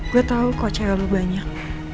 gue tau kok cewek lo banyak